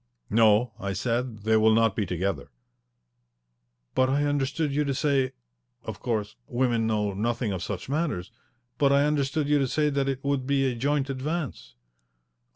"No," I said. "They will not be together." "But I understood you to say of course, women know nothing of such matters, but I understood you to say that it would be a joint advance."